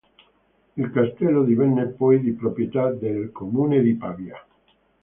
Il castello divenne poi di proprietà del comune di Pavia.